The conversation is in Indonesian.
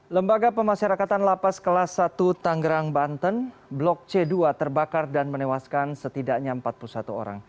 lembaga pemasyarakatan lapas kelas satu tanggerang banten blok c dua terbakar dan menewaskan setidaknya empat puluh satu orang